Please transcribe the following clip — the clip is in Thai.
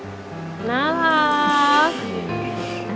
น่ารัก